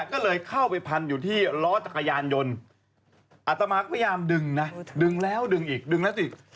ก็เลยเข้าไปพันอยู่ที่ล้อจักรยานยนต์อัตมาก็พยายามดึงนะดึงแล้วดึงอีกดึงแล้วสิ